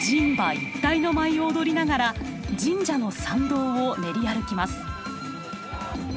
一体の舞を踊りながら神社の参道を練り歩きます。